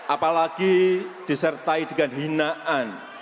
apalagi disertai dengan hinaan